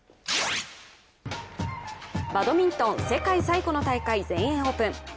バドミントンの世界最古の大会全英オープン。